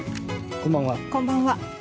こんばんは。